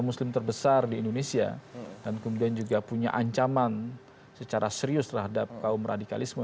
muslim terbesar di indonesia dan kemudian juga punya ancaman secara serius terhadap kaum radikalisme